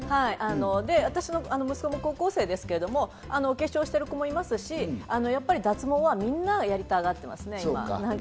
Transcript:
私の息子も高校生ですけど、お化粧してる子もいますし、脱毛はみんなやりたがってますね、今は。